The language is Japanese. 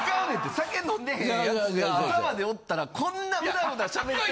酒飲んでへんやつが朝までおったらこんなうだうだしゃべってる。